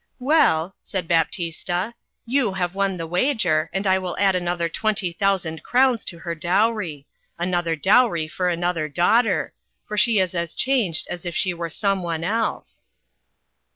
'Well," said Baptista, "you have won the wager, and I will add another twenty thousand crowns to her dowry — another dowry for HAMLET. 4S another daughter — for she is as changed as if she were some one else."